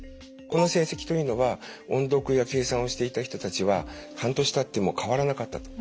この成績というのは音読や計算をしていた人たちは半年たっても変わらなかったと。